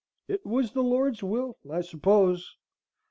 It was the Lord's will, I suppose."